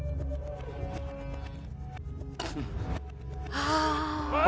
ああ。